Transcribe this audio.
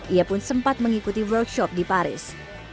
ia pun sempat mengikuti workshop di paris